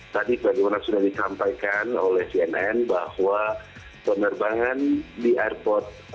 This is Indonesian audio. tadi bagaimana sudah disampaikan oleh cnn bahwa penerbangan di airport